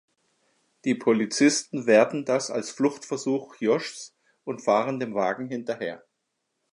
Die Polizisten werten das als Fluchtversuch Joshs und fahren dem Wagen hinterher.